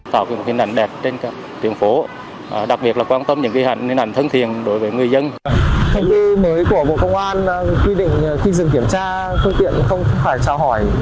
thành viên mới của bộ công an quy định khi dừng kiểm tra phương tiện không phải trả hỏi